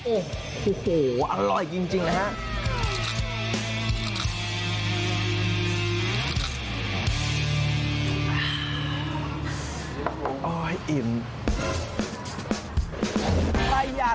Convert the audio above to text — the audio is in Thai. โอ้โฮอร่อยจริงนะครับ